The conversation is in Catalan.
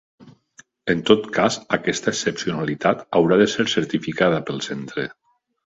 En tot cas, aquesta excepcionalitat haurà de ser certificada pel centre.